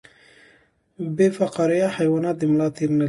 بې فقاریه حیوانات د ملا تیر نلري